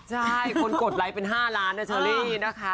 ใช่คนกดไลค์เป็น๕ล้านนะเชอรี่นะคะ